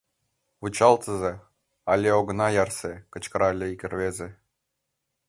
— Вучалтыза, але огына ярсе! — кычкырале ик рвезе.